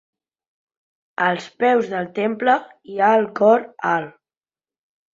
Als peus del temple hi ha el cor alt.